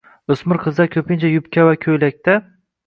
O‘smir qizlar ko‘pincha yubka va ko‘ylakda.